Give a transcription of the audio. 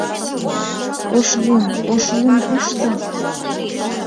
— Ошлум, Ошлум кушто?